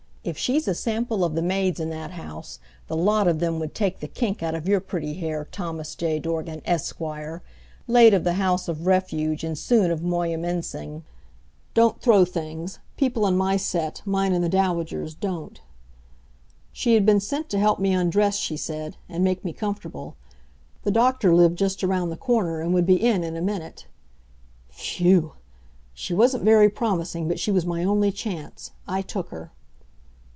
If she's a sample of the maids in that house, the lot of them would take the kink out of your pretty hair, Thomas J. Dorgan, Esquire, late of the House of Refuge and soon of Moyamensing. Don't throw things. People in my set, mine and the Dowager's, don't. She had been sent to help me undress, she said, and make me comfortable. The doctor lived just around the corner and would be in in a minute. Phew! She wasn't very promising, but she was my only chance. I took her.